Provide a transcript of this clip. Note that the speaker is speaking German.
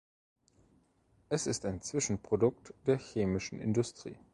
Es ist ein Zwischenprodukt der chemischen Industrie.